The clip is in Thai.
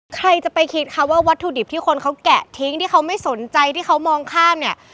ใครจะไปคิดคะว่าวัตถุดิบที่คนเขาแกะทิ้งที่เขาไม่สนใจที่เขามองข้ามเนี่ย